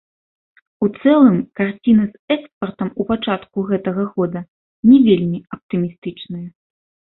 У цэлым карціна з экспартам у пачатку гэтага года не вельмі аптымістычная.